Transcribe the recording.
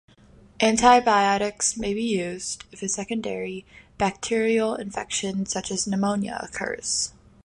Antibiotics may be used if a secondary bacterial infection such as pneumonia occurs.